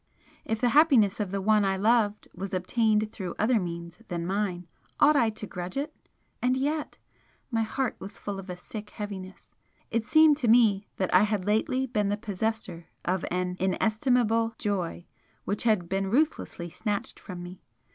If the happiness of the one I loved was obtained through other means than mine, ought I to grudge it? And yet! my heart was full of a sick heaviness, it seemed to me that I had lately been the possessor of an inestimable joy which had been ruthlessly snatched from me.